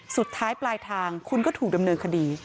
สุดท้ายปลายทางคุณก็ถูกดำเนินคดี